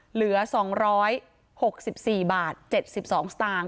เหลือ๒๖๔บาท๗๒สตางค์